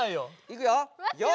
いくよ！